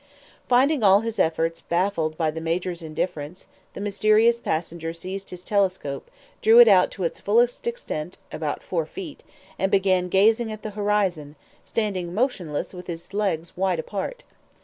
Finding all his efforts baffled by the Major's indifference, the mysterious passenger seized his telescope, drew it out to its fullest extent, about four feet, and began gazing at the horizon, standing motionless with his legs wide apart.